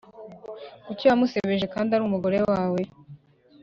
Kuki wamusebeje kandi ari umugore wawe